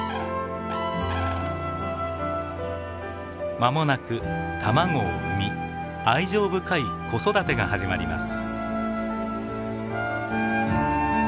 まもなく卵を産み愛情深い子育てが始まります。